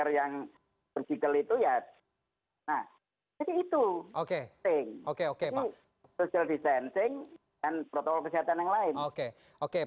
dan protokol kesehatan yang lain